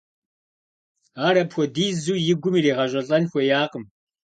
Ар апхуэдизу и гум иригъэжэлӏэн хуеякъым.